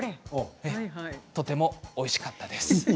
とてもおいしかったです。